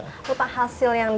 bertemu langsung dengan masyarakat